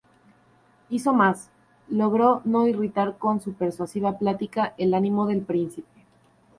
Hizo mas, logró no irritar con su persuasiva plática el ánimo del príncipe.